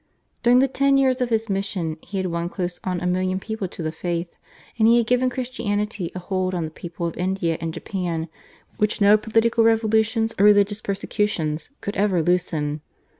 During the ten years of his mission he had won close on a million people to the faith, and he had given Christianity a hold on the people of India and Japan which no political revolutions or religious persecution could ever loosen.